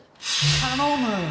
頼む。